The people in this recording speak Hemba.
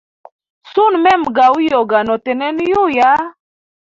Suna mema ga uyoga notegnena yuya.